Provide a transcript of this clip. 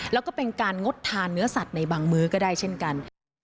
แล้วก็เป็นการงดทานเนื้อสัตว์ในบางมื้อก็ได้เช่นกัน